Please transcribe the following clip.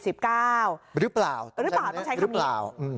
หรือเปล่าต้องใช้คำนี้